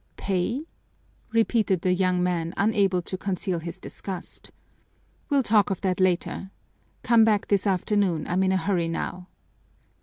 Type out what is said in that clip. "Pay?" repeated the young man, unable to conceal his disgust. "We'll talk of that later. Come back this afternoon, I'm in a hurry now."